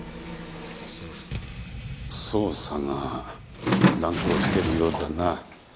捜査が難航しているようだな。